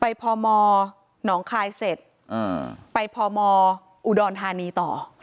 ไปพอมอบ์หนองคายเสร็จไปพอมอบ์อุดรทานีต่อ